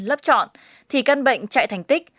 lắp chọn thì căn bệnh chạy thành tích